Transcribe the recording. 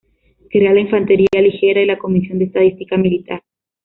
Crea la infantería ligera y la comisión de estadística militar.